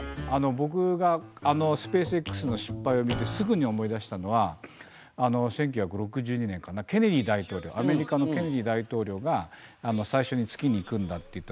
僕がスペースＸの失敗を見てすぐに思い出したのは１９６２年かなケネディ大統領アメリカのケネディ大統領が「最初に月に行くんだ」って言ったときに